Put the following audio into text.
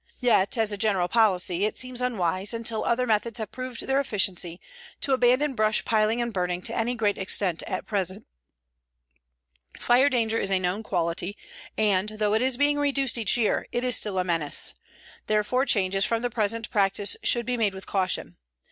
Yet, as a general policy, it seems unwise, until other methods have proved their efficiency, to abandon brush piling and burning to any great extent at present. The fire danger is a known quality, and, though it is being reduced each year, it is still a menace. Therefore changes from the present practice should be made with caution.